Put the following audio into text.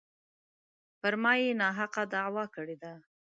پر ما یې ناحقه دعوه کړې ده.